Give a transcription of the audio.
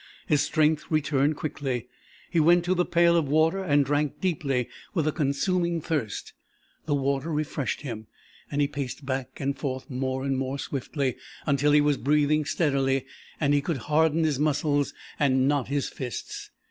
His strength returned quickly. He went to the pail of water and drank deeply with a consuming thirst. The water refreshed him, and he paced back and forth more and more swiftly, until he was breathing steadily and he could harden his muscles and knot his fists.